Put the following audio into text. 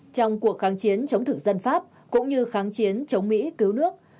trong cuộc kháng chiến chống thực dân pháp cũng như kháng chiến chống mỹ cứu nước